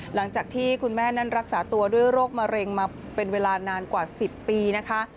หลังจากที่คุณแม่นั้นรักษาตัวด้วยโรคมะเร็งมาเป็นเวลานานกว่า๑๐ปีนะคะ